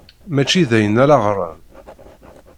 Mačči d ayen ara ɣren.